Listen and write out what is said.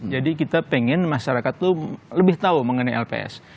jadi kita ingin masyarakat itu lebih tahu mengenai lps